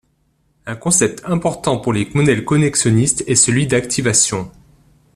Un concept important pour les modèles connexionnistes est celui d'activation.